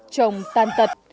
chồng tan tật